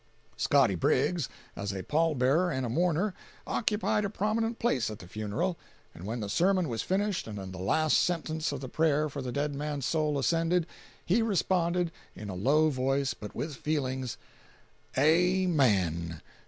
Scotty Briggs, as a pall bearer and a mourner, occupied a prominent place at the funeral, and when the sermon was finished and the last sentence of the prayer for the dead man's soul ascended, he responded, in a low voice, but with feelings: "AMEN.